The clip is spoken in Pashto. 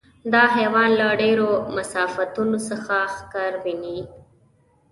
دا حیوان له ډېرو مسافتونو څخه ښکار ویني.